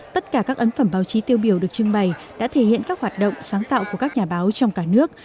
tất cả các ấn phẩm báo chí tiêu biểu được trưng bày đã thể hiện các hoạt động sáng tạo của các nhà báo trong cả nước